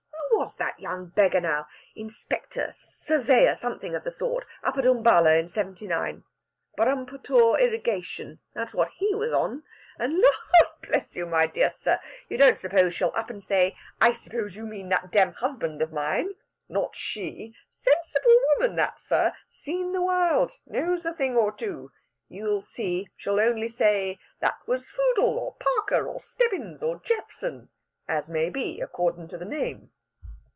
'Who was that young beggar now? inspector surveyor something of the sort up at Umballa in seventy nine? Burrumpooter Irrigation that's what he was on.' And, Lard bless you, my dear sir, you don't suppose she'll up and say, 'I suppose you mean that dam husband of mine.' Not she! Sensible woman that, sir seen the world knows a thing or two. You'll see she'll only say, 'That was Foodle or Parker or Stebbins or Jephson,' as may be, accordin' to the name."